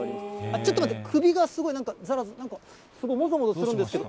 ちょっと待って、首がなんかすごい、なんかざらざら、すごいもぞもぞするんですけど。